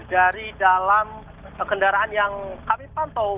dari dalam kendaraan yang kami pantau